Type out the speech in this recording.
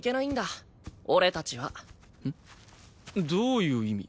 どういう意味？